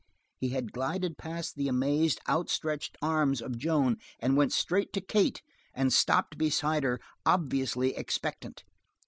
He had glided past the amazed, outstretched arms of Joan and went straight to Kate and stopped beside her, obviously expectant.